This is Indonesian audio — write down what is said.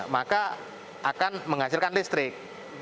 maka akan menghasilkan listrik